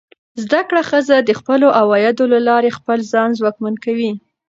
زده کړه ښځه د خپلو عوایدو له لارې خپل ځان ځواکمن کوي.